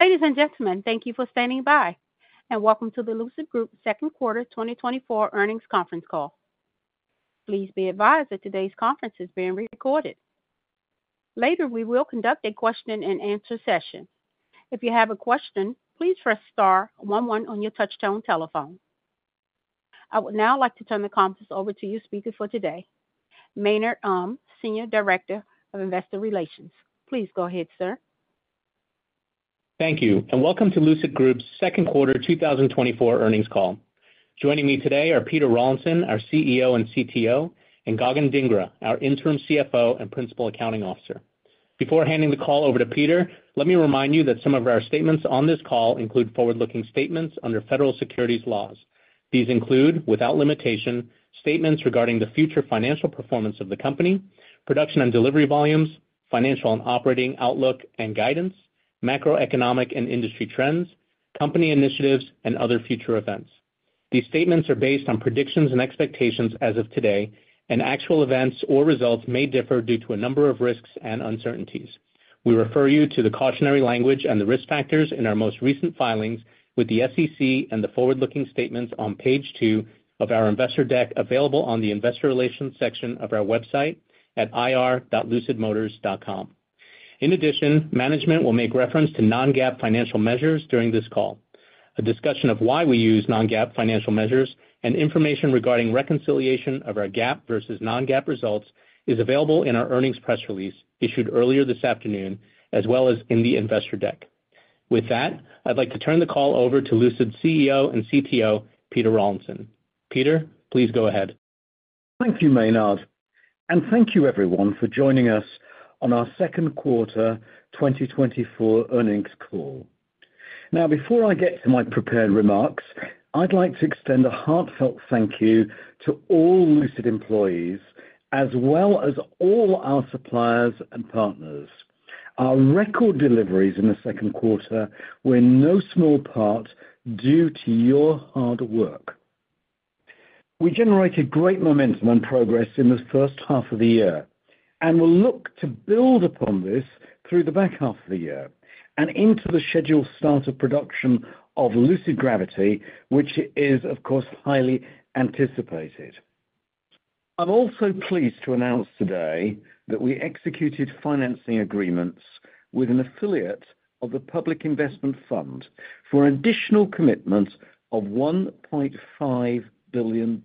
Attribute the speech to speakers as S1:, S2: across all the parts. S1: Ladies and gentlemen, thank you for standing by, and welcome to the Lucid Group Second Quarter 2024 Earnings Conference Call. Please be advised that today's conference is being recorded. Later, we will conduct a question-and-answer session. If you have a question, please press star one one on your touch-tone telephone. I would now like to turn the conference over to your speaker for today, Maynard Um, Senior Director of Investor Relations. Please go ahead, sir.
S2: Thank you, and welcome to Lucid Group's Second Quarter 2024 Earnings Call. Joining me today are Peter Rawlinson, our CEO and CTO, and Gagan Dhingra, our Interim CFO and Principal Accounting Officer. Before handing the call over to Peter, let me remind you that some of our statements on this call include forward-looking statements under federal securities laws. These include, without limitation, statements regarding the future financial performance of the company, production and delivery volumes, financial and operating outlook and guidance, macroeconomic and industry trends, company initiatives, and other future events. These statements are based on predictions and expectations as of today, and actual events or results may differ due to a number of risks and uncertainties. We refer you to the cautionary language and the risk factors in our most recent filings with the SEC and the forward-looking statements on page two of our investor deck available on the Investor Relations section of our website at ir.lucidmotors.com. In addition, management will make reference to non-GAAP financial measures during this call. A discussion of why we use non-GAAP financial measures and information regarding reconciliation of our GAAP versus non-GAAP results is available in our earnings press release issued earlier this afternoon, as well as in the investor deck. With that, I'd like to turn the call over to Lucid CEO and CTO Peter Rawlinson. Peter, please go ahead.
S3: Thank you, Maynard, and thank you, everyone, for joining us on our Second Quarter 2024 Earnings Call. Now, before I get to my prepared remarks, I'd like to extend a heartfelt thank you to all Lucid employees, as well as all our suppliers and partners. Our record deliveries in the second quarter were no small part due to your hard work. We generated great momentum and progress in the first half of the year, and we'll look to build upon this through the back half of the year and into the scheduled start of production of Lucid Gravity, which is, of course, highly anticipated. I'm also pleased to announce today that we executed financing agreements with an affiliate of the Public Investment Fund for an additional commitment of $1.5 billion.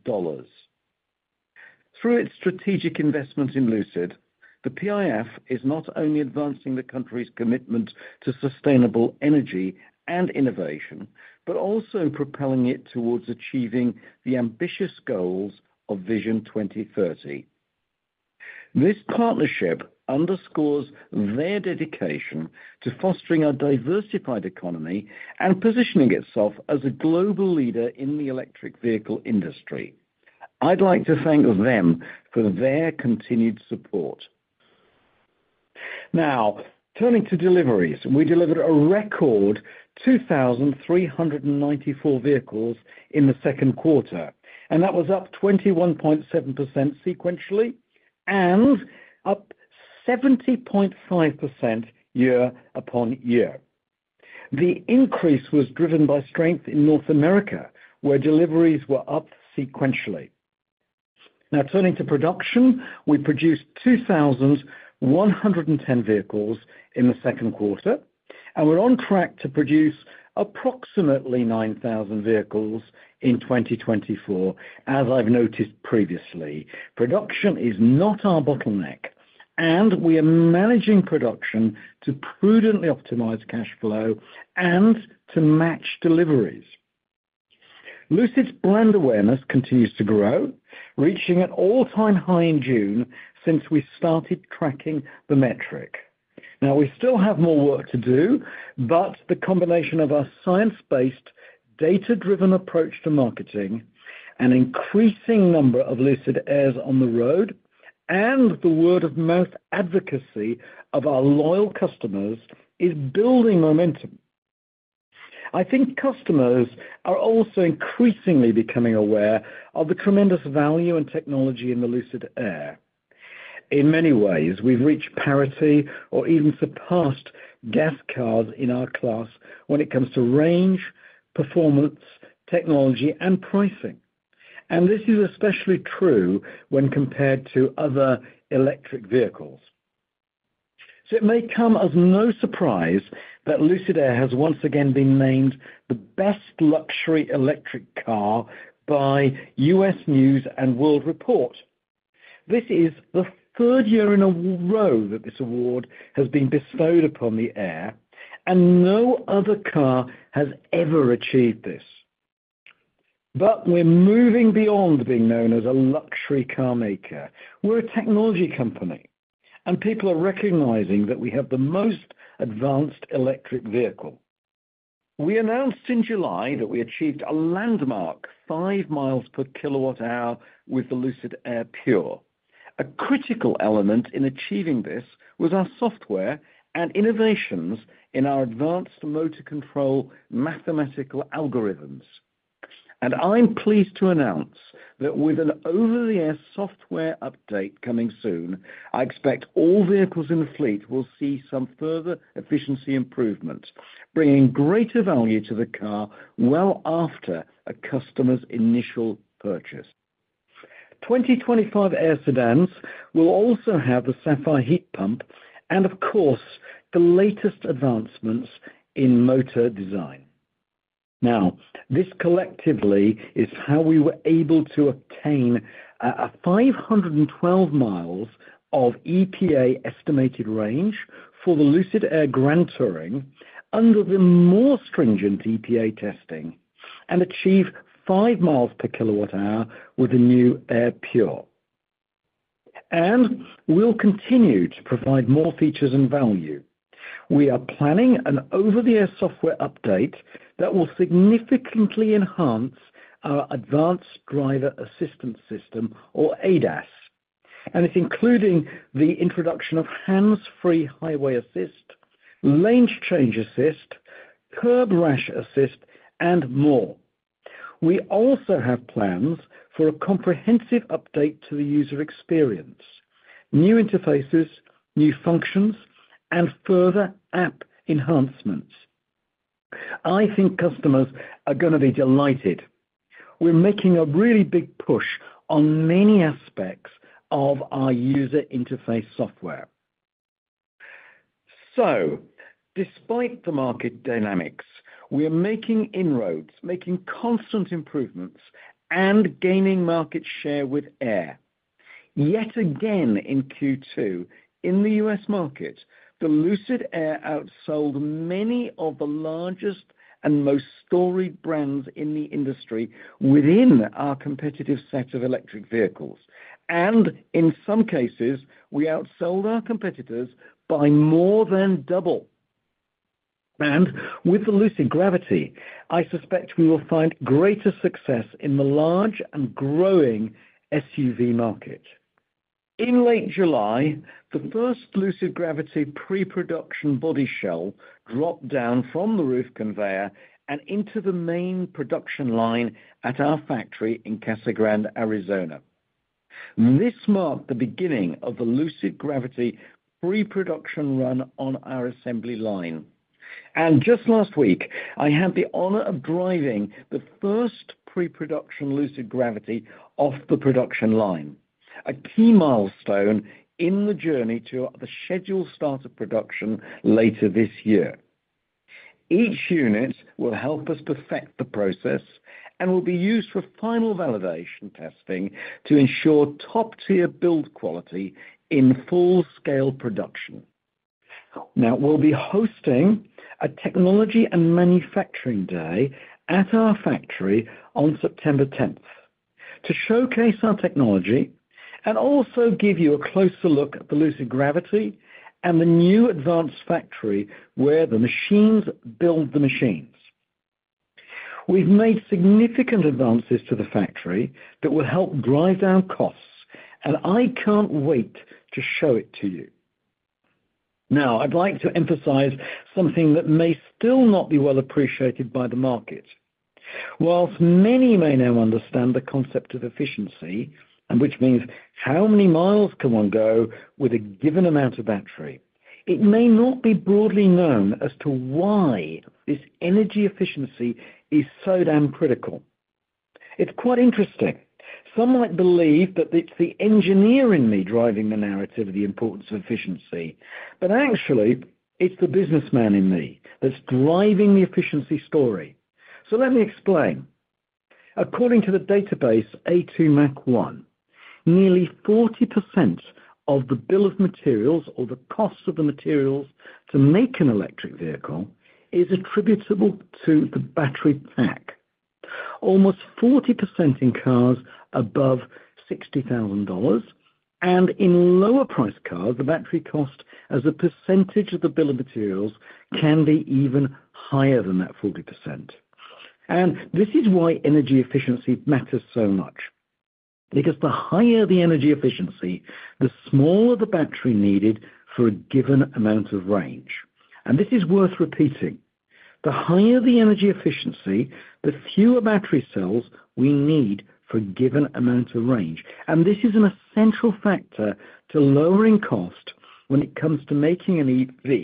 S3: Through its strategic investment in Lucid, the PIF is not only advancing the country's commitment to sustainable energy and innovation, but also propelling it towards achieving the ambitious goals of Vision 2030. This partnership underscores their dedication to fostering a diversified economy and positioning itself as a global leader in the electric vehicle industry. I'd like to thank them for their continued support. Now, turning to deliveries, we delivered a record 2,394 vehicles in the second quarter, and that was up 21.7% sequentially and up 70.5% year-over-year. The increase was driven by strength in North America, where deliveries were up sequentially. Now, turning to production, we produced 2,110 vehicles in the second quarter, and we're on track to produce approximately 9,000 vehicles in 2024, as I've noticed previously. Production is not our bottleneck, and we are managing production to prudently optimize cash flow and to match deliveries. Lucid's brand awareness continues to grow, reaching an all-time high in June since we started tracking the metric. Now, we still have more work to do, but the combination of our science-based, data-driven approach to marketing, an increasing number of Lucid Airs on the road, and the word-of-mouth advocacy of our loyal customers is building momentum. I think customers are also increasingly becoming aware of the tremendous value and technology in the Lucid Air. In many ways, we've reached parity or even surpassed gas cars in our class when it comes to range, performance, technology, and pricing, and this is especially true when compared to other electric vehicles. So it may come as no surprise that Lucid Air has once again been named the best luxury electric car by U.S. News & World Report. This is the third year in a row that this award has been bestowed upon the Air, and no other car has ever achieved this. But we're moving beyond being known as a luxury car maker. We're a technology company, and people are recognizing that we have the most advanced electric vehicle. We announced in July that we achieved a landmark 5 miles per kilowatt-hour with the Lucid Air Pure. A critical element in achieving this was our software and innovations in our advanced motor control mathematical algorithms. And I'm pleased to announce that with an over-the-air software update coming soon, I expect all vehicles in the fleet will see some further efficiency improvements, bringing greater value to the car well after a customer's initial purchase. 2025 Air sedans will also have the Sapphire heat pump and, of course, the latest advancements in motor design. Now, this collectively is how we were able to obtain 512 miles of EPA-estimated range for the Lucid Air Grand Touring under the more stringent EPA testing and achieve 5 miles per kilowatt-hour with the new Lucid Air Pure. And we'll continue to provide more features and value. We are planning an over-the-air software update that will significantly enhance our Advanced Driver Assistance System, or ADAS, and it's including the introduction of hands-free highway assist, lane change assist, curb rash assist, and more. We also have plans for a comprehensive update to the user experience, new interfaces, new functions, and further app enhancements. I think customers are going to be delighted. We're making a really big push on many aspects of our user interface software. So, despite the market dynamics, we are making inroads, making constant improvements, and gaining market share with Air. Yet again in Q2, in the U.S. market, the Lucid Air outsold many of the largest and most storied brands in the industry within our competitive set of electric vehicles. In some cases, we outsold our competitors by more than double. With the Lucid Gravity, I suspect we will find greater success in the large and growing SUV market. In late July, the first Lucid Gravity pre-production body shell dropped down from the roof conveyor and into the main production line at our factory in Casa Grande, Arizona. This marked the beginning of the Lucid Gravity pre-production run on our assembly line. Just last week, I had the honor of driving the first pre-production Lucid Gravity off the production line, a key milestone in the journey to the scheduled start of production later this year. Each unit will help us perfect the process and will be used for final validation testing to ensure top-tier build quality in full-scale production. Now, we'll be hosting a Technology and Manufacturing Day at our factory on September 10th to showcase our technology and also give you a closer look at the Lucid Gravity and the new advanced factory where the machines build the machines. We've made significant advances to the factory that will help drive down costs, and I can't wait to show it to you. Now, I'd like to emphasize something that may still not be well appreciated by the market. Whilst many may now understand the concept of efficiency, which means how many miles can one go with a given amount of battery, it may not be broadly known as to why this energy efficiency is so damn critical. It's quite interesting. Some might believe that it's the engineer in me driving the narrative of the importance of efficiency, but actually, it's the businessman in me that's driving the efficiency story. Let me explain. According to the database A2MAC1, nearly 40% of the bill of materials, or the cost of the materials to make an electric vehicle, is attributable to the battery pack. Almost 40% in cars above $60,000, and in lower-priced cars, the battery cost as a percentage of the bill of materials can be even higher than that 40%. This is why energy efficiency matters so much, because the higher the energy efficiency, the smaller the battery needed for a given amount of range. This is worth repeating. The higher the energy efficiency, the fewer battery cells we need for a given amount of range. This is an essential factor to lowering costs when it comes to making an EV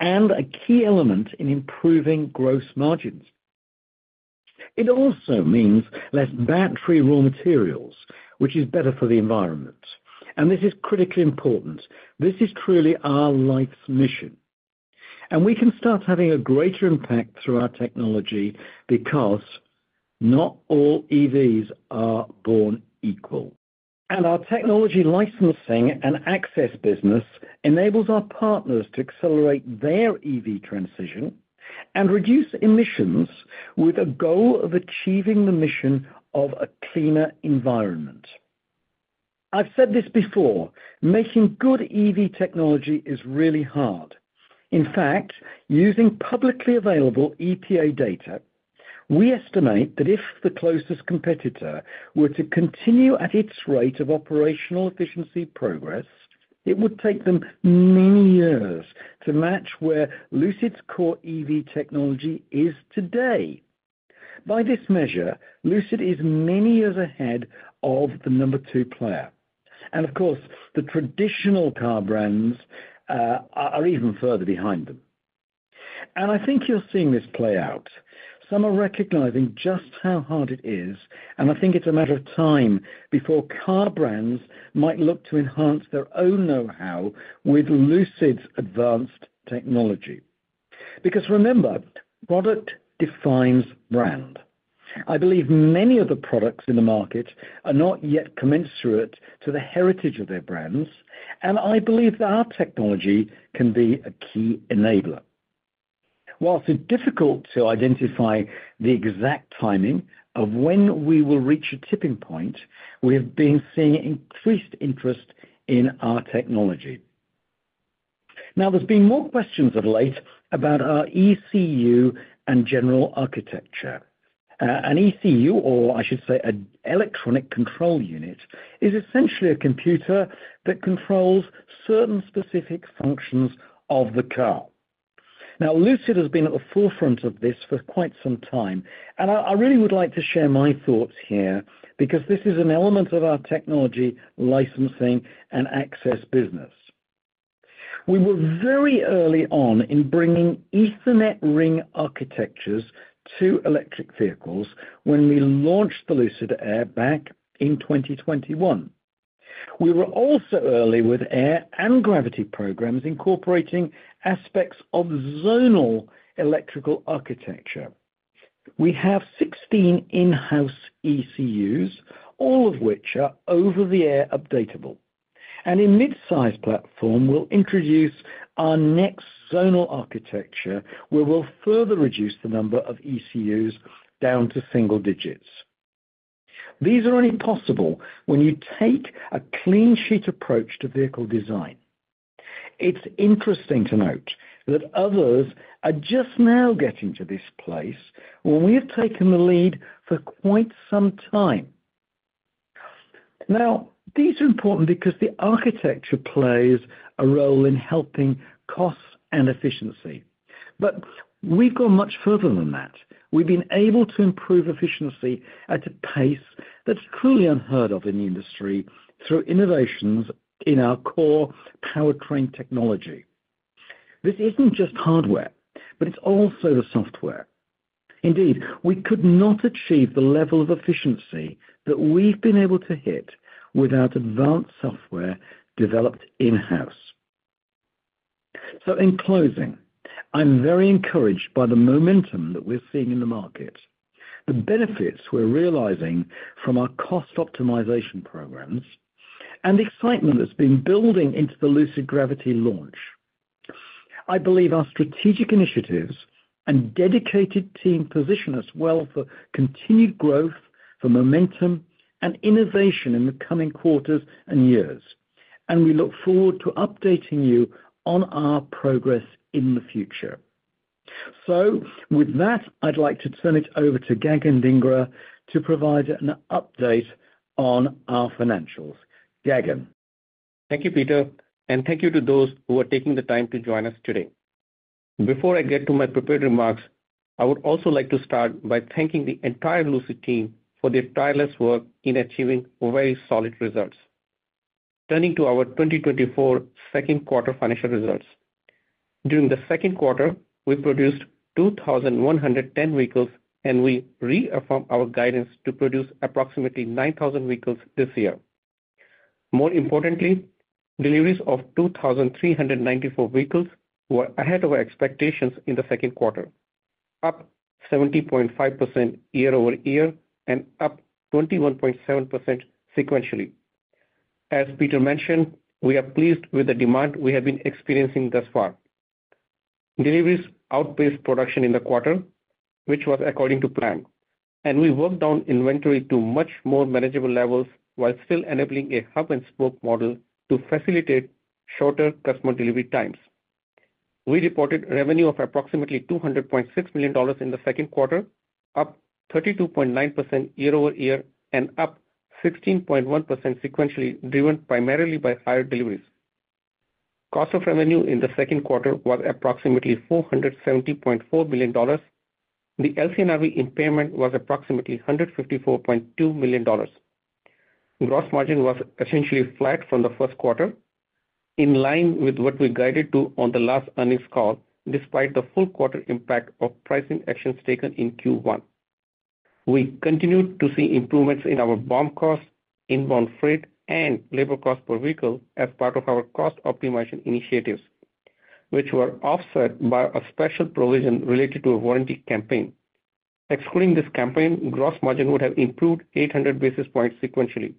S3: and a key element in improving gross margins. It also means less battery raw materials, which is better for the environment. This is critically important. This is truly our life's mission. We can start having a greater impact through our technology because not all EVs are born equal. Our technology licensing and access business enables our partners to accelerate their EV transition and reduce emissions with a goal of achieving the mission of a cleaner environment. I've said this before. Making good EV technology is really hard. In fact, using publicly available EPA data, we estimate that if the closest competitor were to continue at its rate of operational efficiency progress, it would take them many years to match where Lucid's core EV technology is today. By this measure, Lucid is many years ahead of the number two player. Of course, the traditional car brands are even further behind them. I think you're seeing this play out. Some are recognizing just how hard it is, and I think it's a matter of time before car brands might look to enhance their own know-how with Lucid's advanced technology. Because remember, product defines brand. I believe many of the products in the market are not yet commensurate to the heritage of their brands, and I believe that our technology can be a key enabler. While it's difficult to identify the exact timing of when we will reach a tipping point, we have been seeing increased interest in our technology. Now, there's been more questions of late about our ECU and general architecture. An ECU, or I should say an electronic control unit, is essentially a computer that controls certain specific functions of the car. Now, Lucid has been at the forefront of this for quite some time, and I really would like to share my thoughts here because this is an element of our technology licensing and access business. We were very early on in bringing Ethernet ring architectures to electric vehicles when we launched the Lucid Air back in 2021. We were also early with Air and Gravity programs incorporating aspects of zonal electrical architecture. We have 16 in-house ECUs, all of which are over-the-air updatable. In mid-size platform, we'll introduce our next zonal architecture where we'll further reduce the number of ECUs down to single digits. These are only possible when you take a clean-sheet approach to vehicle design. It's interesting to note that others are just now getting to this place when we have taken the lead for quite some time. Now, these are important because the architecture plays a role in helping costs and efficiency. But we've gone much further than that. We've been able to improve efficiency at a pace that's truly unheard of in the industry through innovations in our core powertrain technology. This isn't just hardware, but it's also the software. Indeed, we could not achieve the level of efficiency that we've been able to hit without advanced software developed in-house. So in closing, I'm very encouraged by the momentum that we're seeing in the market, the benefits we're realizing from our cost optimization programs, and the excitement that's been building into the Lucid Gravity launch. I believe our strategic initiatives and dedicated team position us well for continued growth, for momentum, and innovation in the coming quarters and years. And we look forward to updating you on our progress in the future. So with that, I'd like to turn it over to Gagan Dhingra to provide an update on our financials. Gagan.
S4: Thank you, Peter, and thank you to those who are taking the time to join us today. Before I get to my prepared remarks, I would also like to start by thanking the entire Lucid team for their tireless work in achieving very solid results. Turning to our 2024 second quarter financial results, during the second quarter, we produced 2,110 vehicles, and we reaffirmed our guidance to produce approximately 9,000 vehicles this year. More importantly, deliveries of 2,394 vehicles were ahead of our expectations in the second quarter, up 70.5% year-over-year and up 21.7% sequentially. As Peter mentioned, we are pleased with the demand we have been experiencing thus far. Deliveries outpaced production in the quarter, which was according to plan, and we worked down inventory to much more manageable levels while still enabling a hub-and-spoke model to facilitate shorter customer delivery times. We reported revenue of approximately $200.6 million in the second quarter, up 32.9% year-over-year and up 16.1% sequentially, driven primarily by higher deliveries. Cost of revenue in the second quarter was approximately $470.4 million. The LCNRV impairment was approximately $154.2 million. Gross margin was essentially flat from the first quarter, in line with what we guided to on the last earnings call, despite the full quarter impact of pricing actions taken in Q1. We continued to see improvements in our BOM cost, inbound freight, and labor cost per vehicle as part of our cost optimization initiatives, which were offset by a special provision related to a warranty campaign. Excluding this campaign, gross margin would have improved 800 basis points sequentially.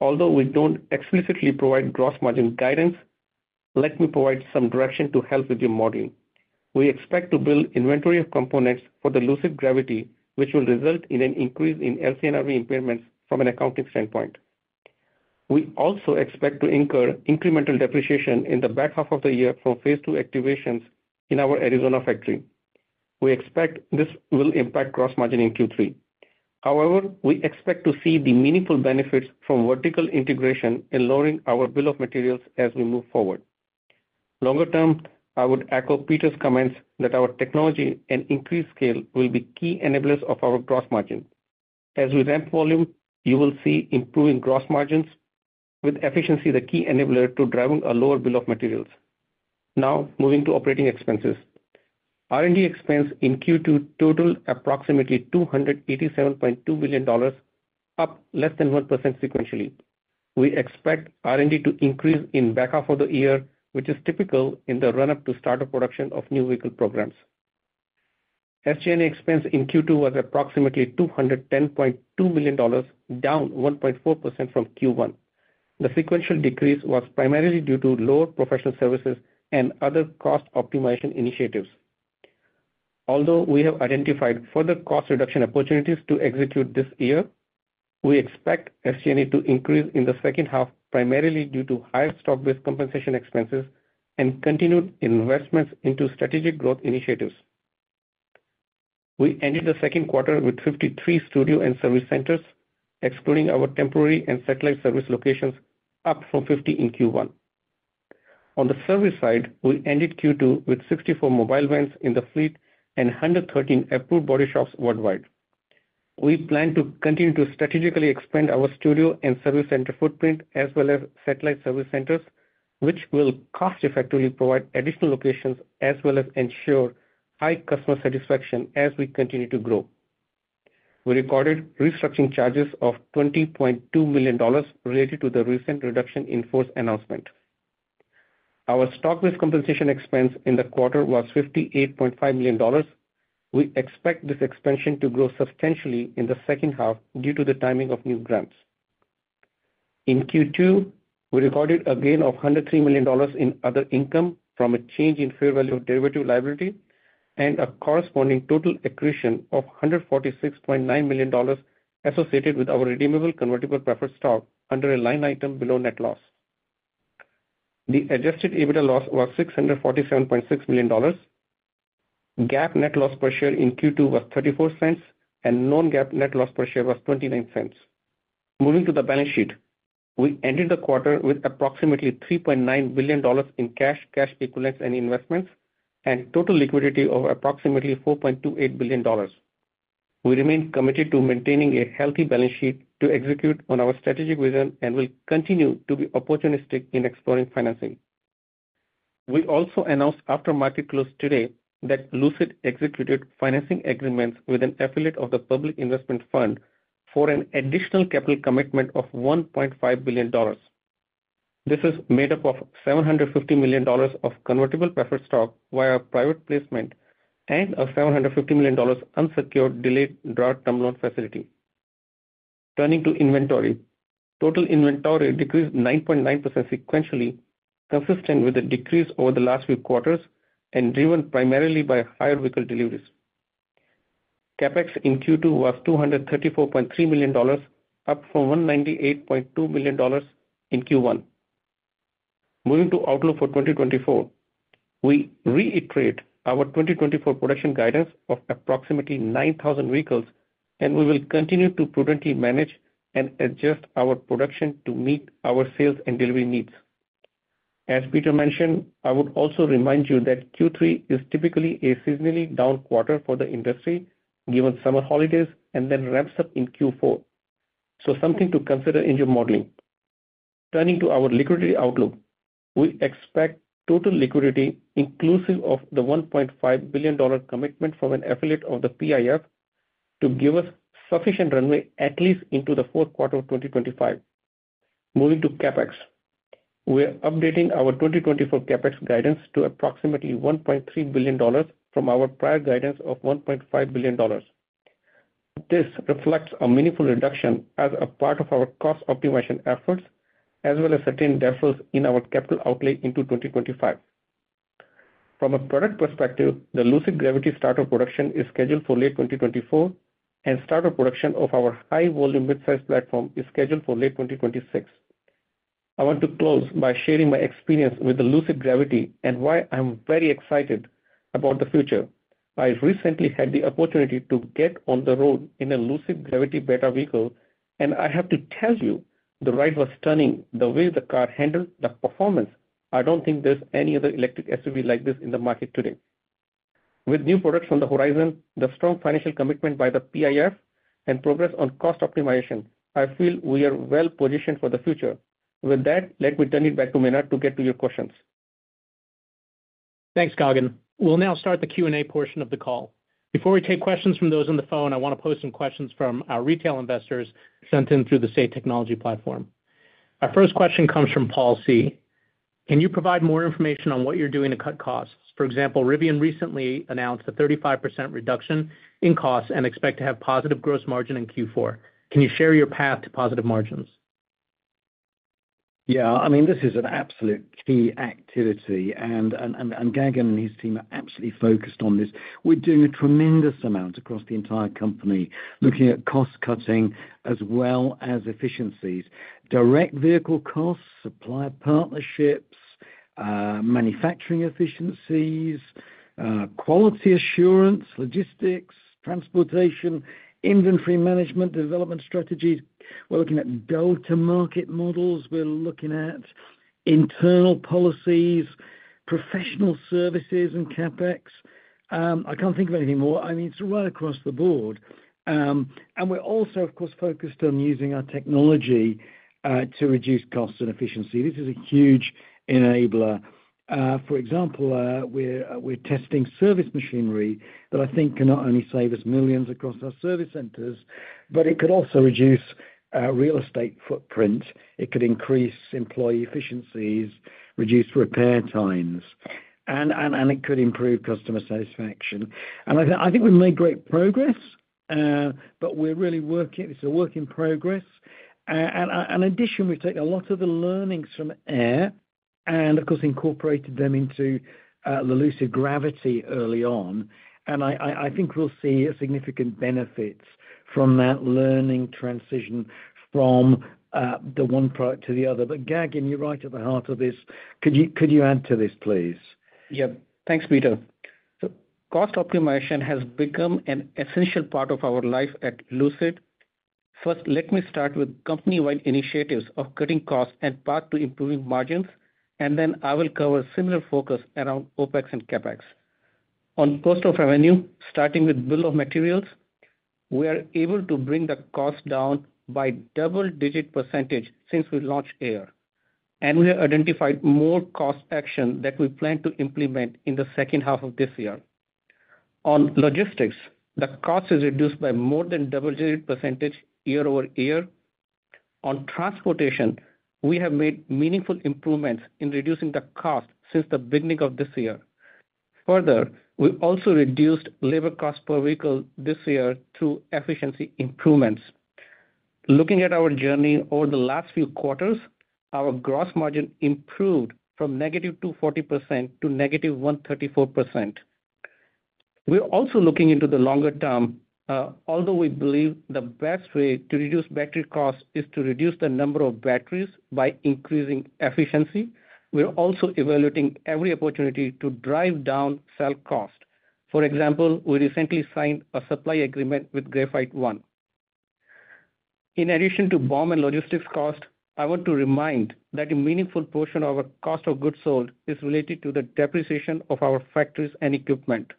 S4: Although we don't explicitly provide gross margin guidance, let me provide some direction to help with your modeling. We expect to build inventory of components for the Lucid Gravity, which will result in an increase in LCNRV impairments from an accounting standpoint. We also expect to incur incremental depreciation in the back half of the year from phase two activations in our Arizona factory. We expect this will impact gross margin in Q3. However, we expect to see the meaningful benefits from vertical integration and lowering our bill of materials as we move forward. Longer term, I would echo Peter's comments that our technology and increased scale will be key enablers of our gross margin. As we ramp volume, you will see improving gross margins with efficiency, the key enabler to driving a lower bill of materials. Now, moving to operating expenses. R&D expense in Q2 totaled approximately $287.2 million, up less than 1% sequentially. We expect R&D to increase in back half of the year, which is typical in the run-up to start of production of new vehicle programs. SG&A expense in Q2 was approximately $210.2 million, down 1.4% from Q1. The sequential decrease was primarily due to lower professional services and other cost optimization initiatives. Although we have identified further cost reduction opportunities to execute this year, we expect SG&A to increase in the second half primarily due to higher stock-based compensation expenses and continued investments into strategic growth initiatives. We ended the second quarter with 53 studio and service centers, excluding our temporary and satellite service locations, up from 50 in Q1. On the service side, we ended Q2 with 64 mobile vans in the fleet and 113 approved body shops worldwide. We plan to continue to strategically expand our studio and service center footprint, as well as satellite service centers, which will cost-effectively provide additional locations, as well as ensure high customer satisfaction as we continue to grow. We recorded restructuring charges of $20.2 million related to the recent reduction in force announcement. Our stock-based compensation expense in the quarter was $58.5 million. We expect this expansion to grow substantially in the second half due to the timing of new grants. In Q2, we recorded a gain of $103 million in other income from a change in fair value of derivative liability and a corresponding total accretion of $146.9 million associated with our redeemable convertible preferred stock under a line item below net loss. The adjusted EBITDA loss was $647.6 million. GAAP net loss per share in Q2 was $0.34, and non-GAAP net loss per share was $0.29. Moving to the balance sheet, we ended the quarter with approximately $3.9 billion in cash, cash equivalents, and investments, and total liquidity of approximately $4.28 billion. We remain committed to maintaining a healthy balance sheet to execute on our strategic vision and will continue to be opportunistic in exploring financing. We also announced after market close today that Lucid executed financing agreements with an affiliate of the Public Investment Fund for an additional capital commitment of $1.5 billion. This is made up of $750 million of convertible preferred stock via private placement and a $750 million unsecured delayed draw term loan facility. Turning to inventory, total inventory decreased 9.9% sequentially, consistent with the decrease over the last few quarters and driven primarily by higher vehicle deliveries. CapEx in Q2 was $234.3 million, up from $198.2 million in Q1. Moving to outlook for 2024, we reiterate our 2024 production guidance of approximately 9,000 vehicles, and we will continue to prudently manage and adjust our production to meet our sales and delivery needs. As Peter mentioned, I would also remind you that Q3 is typically a seasonally down quarter for the industry, given summer holidays, and then ramps up in Q4. So something to consider in your modeling. Turning to our liquidity outlook, we expect total liquidity, inclusive of the $1.5 billion commitment from an affiliate of the PIF, to give us sufficient runway at least into the fourth quarter of 2025. Moving to CapEx, we are updating our 2024 CapEx guidance to approximately $1.3 billion from our prior guidance of $1.5 billion. This reflects a meaningful reduction as a part of our cost optimization efforts, as well as certain deferrals in our capital outlay into 2025. From a product perspective, the Lucid Gravity startup production is scheduled for late 2024, and startup production of our high-volume mid-size platform is scheduled for late 2026. I want to close by sharing my experience with the Lucid Gravity and why I'm very excited about the future. I recently had the opportunity to get on the road in a Lucid Gravity beta vehicle, and I have to tell you, the ride was stunning. The way the car handled the performance, I don't think there's any other electric SUV like this in the market today. With new products on the horizon, the strong financial commitment by the PIF, and progress on cost optimization, I feel we are well positioned for the future. With that, let me turn it back to Maynard to get to your questions.
S2: Thanks, Gagan. We'll now start the Q&A portion of the call. Before we take questions from those on the phone, I want to post some questions from our retail investors sent in through the Say Technologies platform. Our first question comes from Paul C. Can you provide more information on what you're doing to cut costs? For example, Rivian recently announced a 35% reduction in costs and expect to have positive gross margin in Q4. Can you share your path to positive margins?
S3: Yeah, I mean, this is an absolute key activity, and Gagan and his team are absolutely focused on this. We're doing a tremendous amount across the entire company, looking at cost cutting as well as efficiencies. Direct vehicle costs, supplier partnerships, manufacturing efficiencies, quality assurance, logistics, transportation, inventory management, development strategies. We're looking at go-to-market models. We're looking at internal policies, professional services, and CapEx. I can't think of anything more. I mean, it's right across the board. And we're also, of course, focused on using our technology to reduce costs and efficiency. This is a huge enabler. For example, we're testing service machinery that I think can not only save us millions across our service centers, but it could also reduce real estate footprint. It could increase employee efficiencies, reduce repair times, and it could improve customer satisfaction. And I think we've made great progress, but we're really working. It's a work in progress. In addition, we've taken a lot of the learnings from Air and, of course, incorporated them into the Lucid Gravity early on. And I think we'll see significant benefits from that learning transition from the one product to the other. But Gagan, you're right at the heart of this. Could you add to this, please?
S4: Yeah. Thanks, Peter. So cost optimization has become an essential part of our life at Lucid. First, let me start with company-wide initiatives of cutting costs and path to improving margins, and then I will cover similar focus around OpEx and CapEx. On cost of revenue, starting with bill of materials, we are able to bring the cost down by double-digit percentage since we launched Air. We have identified more cost action that we plan to implement in the second half of this year. On logistics, the cost is reduced by more than double-digit percentage year-over-year. On transportation, we have made meaningful improvements in reducing the cost since the beginning of this year. Further, we also reduced labor cost per vehicle this year through efficiency improvements. Looking at our journey over the last few quarters, our gross margin improved from negative 240% to negative 134%. We're also looking into the longer term. Although we believe the best way to reduce battery costs is to reduce the number of batteries by increasing efficiency, we're also evaluating every opportunity to drive down cell cost. For example, we recently signed a supply agreement with Graphite One. In addition to BOM and logistics costs, I want to remind that a meaningful portion of our cost of goods sold is related to the depreciation of our factories and equipment.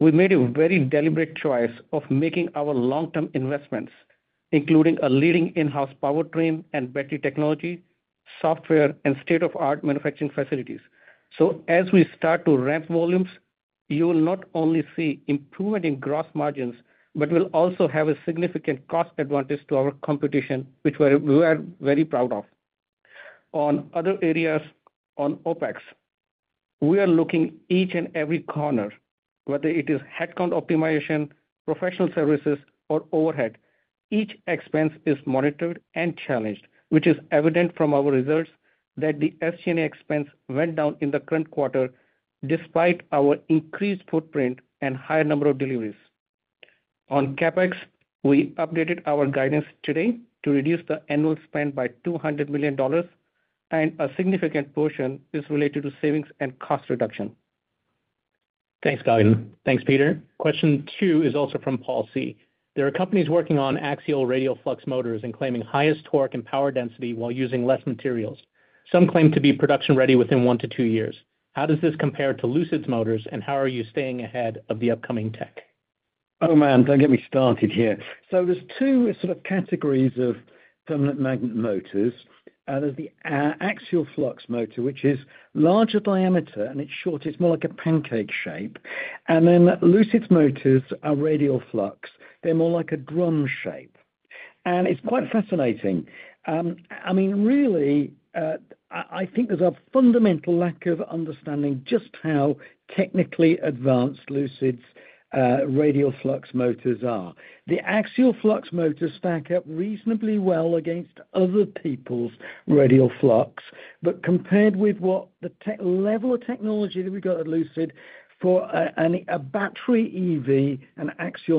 S4: We made a very deliberate choice of making our long-term investments, including a leading in-house powertrain and battery technology, software, and state-of-the-art manufacturing facilities. So as we start to ramp volumes, you will not only see improvement in gross margins, but we'll also have a significant cost advantage to our competition, which we are very proud of. On other areas, on OpEx, we are looking each and every corner, whether it is headcount optimization, professional services, or overhead. Each expense is monitored and challenged, which is evident from our results that the SG&A expense went down in the current quarter despite our increased footprint and higher number of deliveries. On CapEx, we updated our guidance today to reduce the annual spend by $200 million, and a significant portion is related to savings and cost reduction.
S2: Thanks, Gagan. Thanks, Peter. Question two is also from Paul C. There are companies working on axial radial flux motors and claiming highest torque and power density while using less materials. Some claim to be production-ready within one to two years. How does this compare to Lucid's motors, and how are you staying ahead of the upcoming tech?
S3: Oh, man, don't get me started here. So there's two sort of categories of permanent magnet motors. There's the axial flux motor, which is larger diameter, and it's short. It's more like a pancake shape. Lucid's motors are radial flux. They're more like a drum shape. And it's quite fascinating. I mean, really, I think there's a fundamental lack of understanding just how technically advanced Lucid's radial flux motors are. The axial flux motors stack up reasonably well against other people's radial flux, but compared with the level of technology that we've got at Lucid for a battery EV, an axial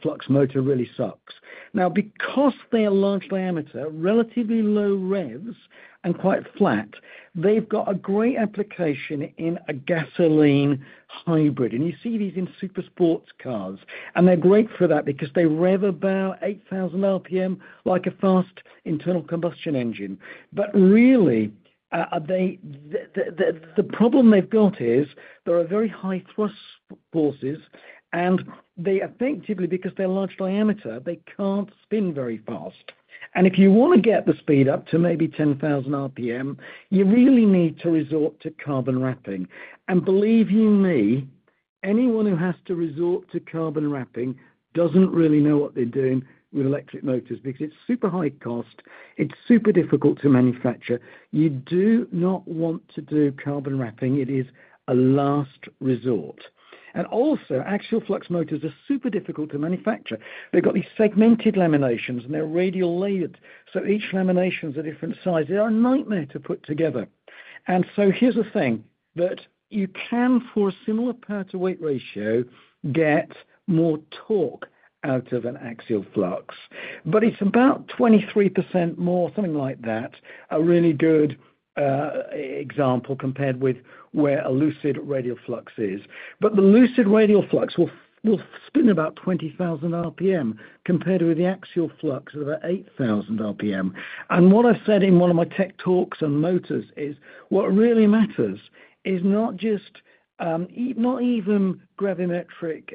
S3: flux motor really sucks. Now, because they are large diameter, relatively low revs, and quite flat, they've got a great application in a gasoline hybrid. And you see these in super sports cars, and they're great for that because they rev about 8,000 RPM, like a fast internal combustion engine. But really, the problem they've got is there are very high thrust forces, and they effectively, because they're large diameter, they can't spin very fast. If you want to get the speed up to maybe 10,000 RPM, you really need to resort to carbon wrapping. And believe you me, anyone who has to resort to carbon wrapping doesn't really know what they're doing with electric motors because it's super high cost. It's super difficult to manufacture. You do not want to do carbon wrapping. It is a last resort. And also, axial flux motors are super difficult to manufacture. They've got these segmented laminations, and they're radial layered. So each lamination is a different size. They are a nightmare to put together. And so here's the thing that you can, for a similar power-to-weight ratio, get more torque out of an axial flux. But it's about 23% more, something like that, a really good example compared with where a Lucid radial flux is. But the Lucid radial flux will spin about 20,000 RPM compared with the axial flux at about 8,000 RPM. And what I've said in one of my tech talks on motors is what really matters is not just not even gravimetric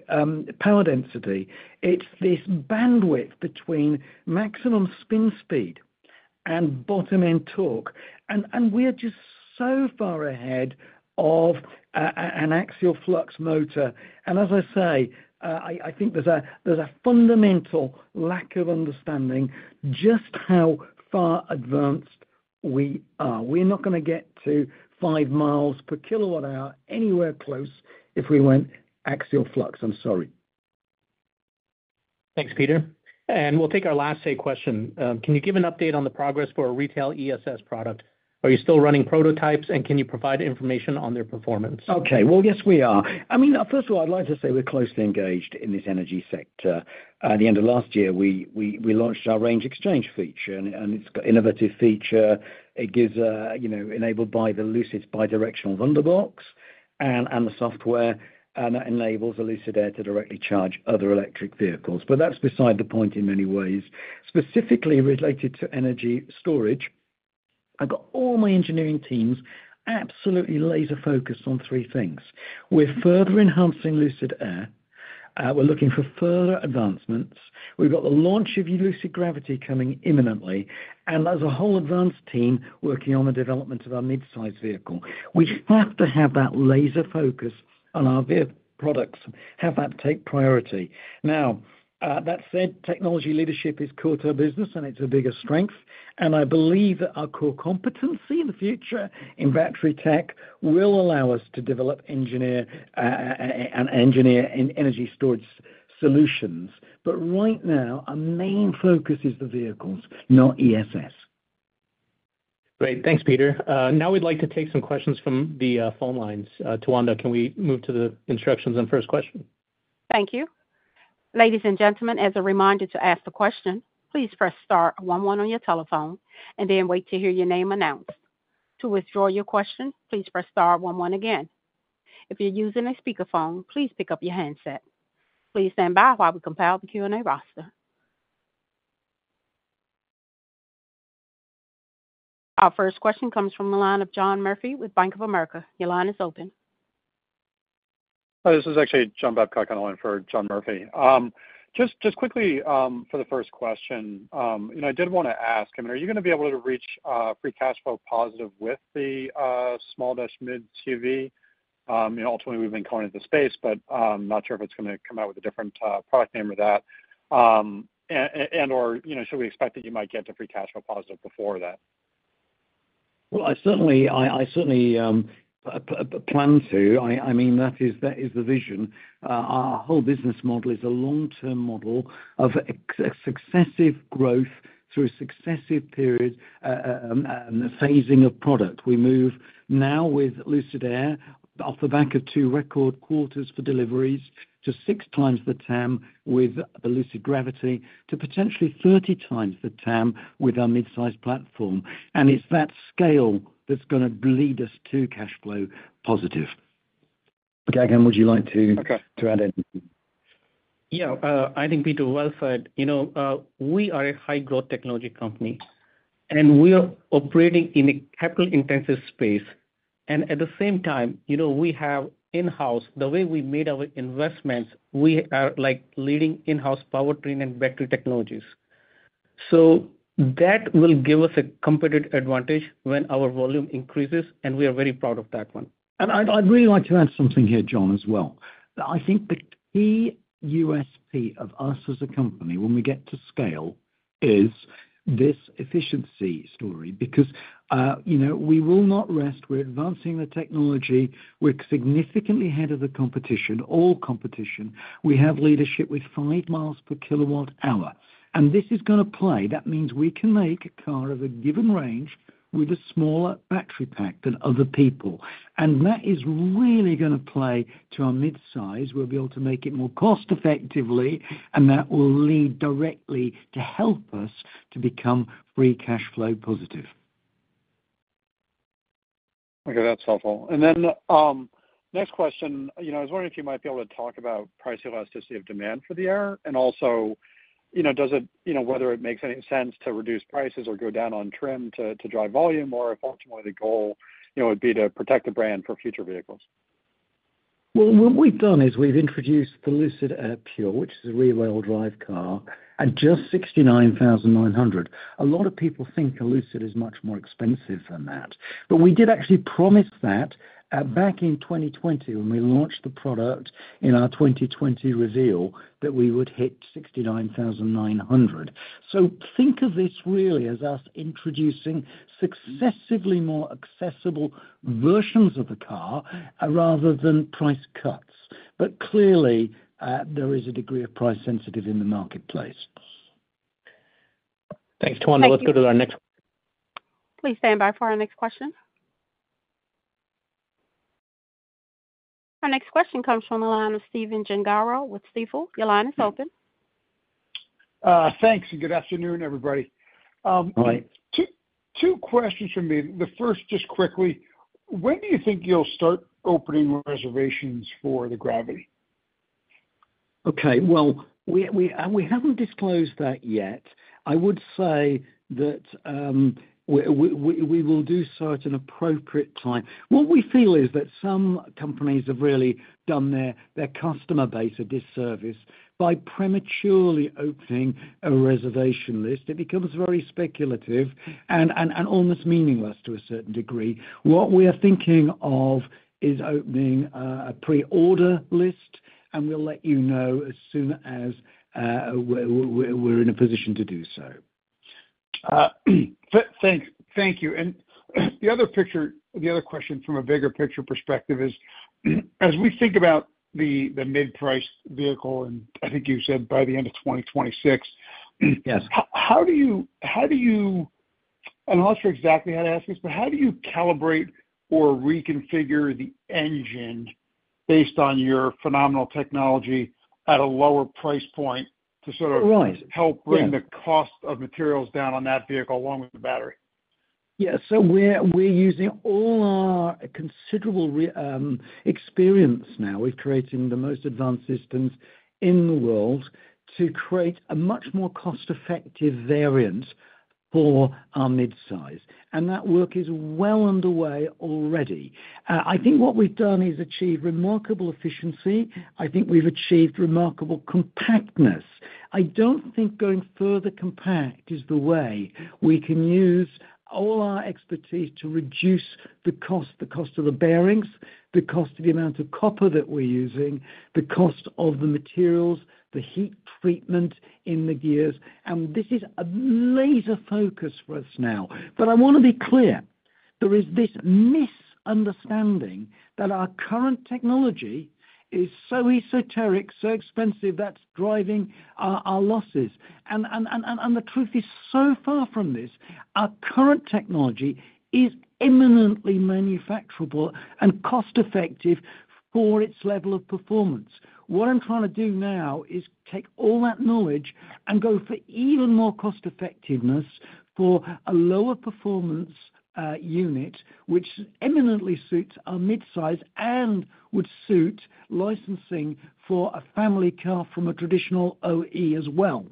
S3: power density. It's this bandwidth between maximum spin speed and bottom-end torque. And we're just so far ahead of an axial flux motor. And as I say, I think there's a fundamental lack of understanding just how far advanced we are. We're not going to get to 5 miles per kilowatt-hour anywhere close if we went axial flux. I'm sorry.
S2: Thanks, Peter. And we'll take our last Say question. Can you give an update on the progress for a retail ESS product? Are you still running prototypes, and can you provide information on their performance?
S3: Okay. Well, yes, we are. I mean, first of all, I'd like to say we're closely engaged in this energy sector. At the end of last year, we launched our RangeXchange feature, and it's an innovative feature. It's enabled by Lucid's bi-directional Wunderbox and the software, and that enables a Lucid Air to directly charge other electric vehicles. But that's beside the point in many ways. Specifically related to energy storage, I've got all my engineering teams absolutely laser-focused on three things. We're further enhancing Lucid Air. We're looking for further advancements. We've got the launch of Lucid Gravity coming imminently, and there's a whole advanced team working on the development of our mid-size vehicle. We have to have that laser focus on our vehicle products, have that take priority. Now, that said, technology leadership is core to our business, and it's a bigger strength. I believe that our core competency in the future in battery tech will allow us to develop engineer and engineer in energy storage solutions. But right now, our main focus is the vehicles, not ESS.
S2: Great. Thanks, Peter. Now we'd like to take some questions from the phone lines. Tawanda, can we move to the instructions and first question?
S1: Thank you. Ladies and gentlemen, as a reminder to ask the question, please press star one one on your telephone and then wait to hear your name announced. To withdraw your question, please press star one one again. If you're using a speakerphone, please pick up your handset. Please stand by while we compile the Q&A roster. Our first question comes from the line of John Murphy with Bank of America. Your line is open.
S5: This is actually John Babcock on the line for John Murphy. Just quickly for the first question, I did want to ask, I mean, are you going to be able to reach free cash flow positive with the small-mid SUV? Ultimately, we've been calling it the space, but I'm not sure if it's going to come out with a different product name or that. And/or should we expect that you might get to free cash flow positive before that?
S3: Well, I certainly plan to. I mean, that is the vision. Our whole business model is a long-term model of successive growth through a successive period and phasing of product. We move now with Lucid Air off the back of two record quarters for deliveries to 6 times the TAM with the Lucid Gravity to potentially 30 times the TAM with our mid-size platform. And it's that scale that's going to lead us to cash flow positive. Gagan, would you like to add anything?
S4: Yeah. I think Peter well said. We are a high-growth technology company, and we are operating in a capital-intensive space. And at the same time, we have in-house, the way we made our investments, we are leading in-house powertrain and battery technologies. So that will give us a competitive advantage when our volume increases, and we are very proud of that one.
S3: And I'd really like to add something here, John, as well. I think the key USP of us as a company when we get to scale is this efficiency story because we will not rest. We're advancing the technology. We're significantly ahead of the competition, all competition. We have leadership with 5 miles per kilowatt-hour. And this is going to play. That means we can make a car of a given range with a smaller battery pack than other people. That is really going to play to our mid-size. We'll be able to make it more cost-effectively, and that will lead directly to help us to become free cash flow positive.
S5: Okay. That's helpful. And then next question, I was wondering if you might be able to talk about price elasticity of demand for the Air and also whether it makes any sense to reduce prices or go down on trim to drive volume or if ultimately the goal would be to protect the brand for future vehicles.
S3: Well, what we've done is we've introduced the Lucid Air Pure, which is a rear-wheel drive car, at just $69,900. A lot of people think the Lucid is much more expensive than that. But we did actually promise that back in 2020 when we launched the product in our 2020 reveal that we would hit $69,900. So think of this really as us introducing successively more accessible versions of the car rather than price cuts. But clearly, there is a degree of price sensitivity in the marketplace.
S2: Thanks, Tawanda. Let's go to our next question.
S1: Please stand by for our next question. Our next question comes from the line of Stephen Gengaro with Stifel. Your line is open.
S6: Thanks. And good afternoon, everybody. Two questions for me. The first, just quickly, when do you think you'll start opening reservations for the Gravity?
S3: Okay. Well, we haven't disclosed that yet. I would say that we will do so at an appropriate time. What we feel is that some companies have really done their customer base a disservice by prematurely opening a reservation list. It becomes very speculative and almost meaningless to a certain degree. What we are thinking of is opening a pre-order list, and we'll let you know as soon as we're in a position to do so.
S6: Thank you. The other picture, the other question from a bigger picture perspective is, as we think about the mid-priced vehicle, and I think you said by the end of 2026, how do you—and I'm not sure exactly how to ask this—but how do you calibrate or reconfigure the engine based on your phenomenal technology at a lower price point to sort of help bring the cost of materials down on that vehicle along with the battery?
S3: Yeah. So we're using all our considerable experience now. We're creating the most advanced systems in the world to create a much more cost-effective variant for our mid-size. And that work is well underway already. I think what we've done is achieve remarkable efficiency. I think we've achieved remarkable compactness. I don't think going further compact is the way. We can use all our expertise to reduce the cost, the cost of the bearings, the cost of the amount of copper that we're using, the cost of the materials, the heat treatment in the gears. And this is a laser focus for us now. But I want to be clear. There is this misunderstanding that our current technology is so esoteric, so expensive that's driving our losses. And the truth is so far from this. Our current technology is imminently manufacturable and cost-effective for its level of performance. What I'm trying to do now is take all that knowledge and go for even more cost-effectiveness for a lower performance unit, which imminently suits our mid-size and would suit licensing for a family car from a traditional OE as well.